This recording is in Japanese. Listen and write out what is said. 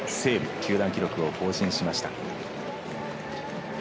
球団記録を更新しました。